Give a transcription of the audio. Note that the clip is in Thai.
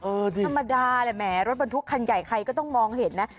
ธรรมดาแหละแหมรถบรรทุกคันใหญ่ใครก็ต้องมองเห็นนะ